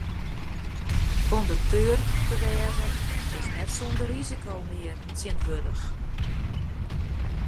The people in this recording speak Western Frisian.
Kondukteur te wêzen is net sûnder risiko mear tsjintwurdich.